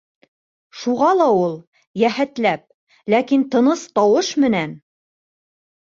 Шуға ла ул, йәһәтләп, ләкин тыныс тауыш менән: